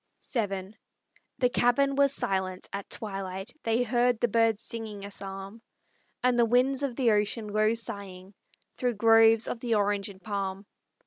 VII The cabin was silent: at twilight They heard the birds singing a psalm, And the wind of the ocean low sighing Through groves of the orange and palm.